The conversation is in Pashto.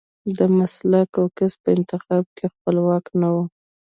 د مسلک او کسب په انتخاب کې خپلواک نه و.